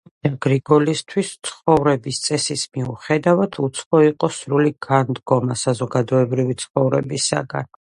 წმიდა გრიგოლისთვის ცხოვრების წესის მიუხედავად უცხო იყო სრული განდგომა საზოგადოებრივი ცხოვრებისაგან.